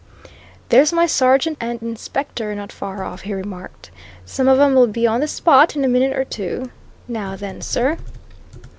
"There's my sergeant and inspector not far off," he remarked. "Some of 'em'll be on the spot in a minute or two. Now then, sir."